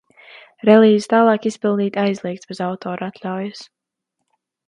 Relīzi tālāk izplatīt aizliegts bez autora atļaujas!